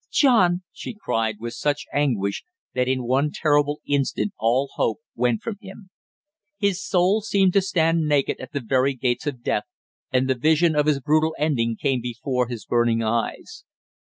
"John!" she cried, with such anguish that in one terrible instant all hope went from him. His soul seemed to stand naked at the very gates of death, and the vision of his brutal ending came before his burning eyes.